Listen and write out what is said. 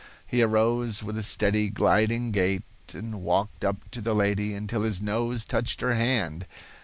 He arose with a steady, gliding gait and walked up to the lady until his nose touched her hand.